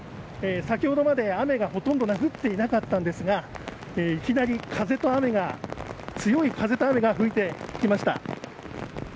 先ほどまで雨がほとんど降っていなかったんですがいきなり、風と雨が強い風と雨が吹いてきました。